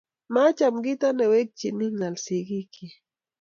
Maacham kito ne wekchini ng'al sigikchich